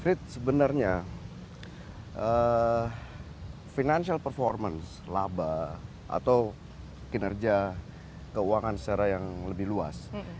rate sebenarnya financial performance laba atau kinerja keuangan secara yang lebih luas